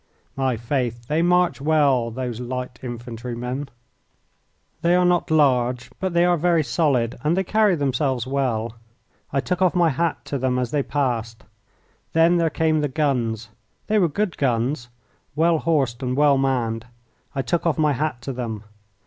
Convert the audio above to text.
My faith, they march well, those little infantrymen! They are not large, but they are very solid and they carry themselves well. I took off my hat to them as they passed. Then there came the guns. They were good guns, well horsed and well manned. I took off my hat to them.